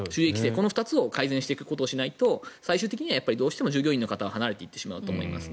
この２つを改善していくことをしないと最終的には従業員は離れていってしまうと思います。